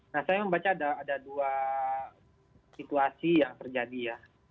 nah saya membaca ada dua situasi yang terjadi ya